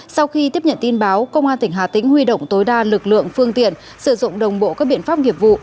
sau khi tiếp nhận tin báo công an tỉnh hà tĩnh huy động tối đa lực lượng phương tiện sử dụng đồng bộ các biện pháp nghiệp vụ